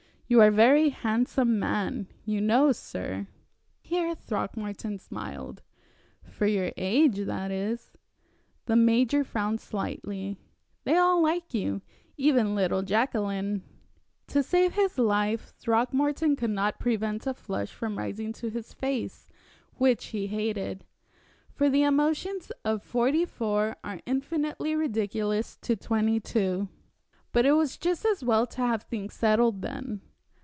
You are a very handsome man, you know, sir " Here Throckmorton smiled. "For your age, that is " The major frowned slightly. "They all like you even little Jacqueline." To save his life, Throckmorton could not prevent a flush from rising to his face, which he hated; for the emotions of forty four are infinitely ridiculous to twenty two. But it was just as well to have things settled then.